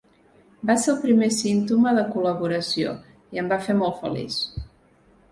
Va ser el primer símptoma de col·laboració i em va fer molt feliç.